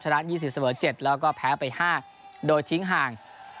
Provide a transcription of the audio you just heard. ละ๒๐เสมอ๗แล้วก็แพ้ไป๕โดยทิ้งห่าง